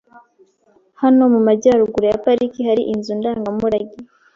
Hano mu majyaruguru ya pariki hari inzu ndangamurage.